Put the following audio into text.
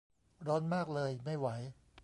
ร้อนมากเลย ไม่ไหว